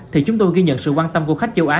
thì chúng tôi ghi nhận sự quan tâm của khách châu á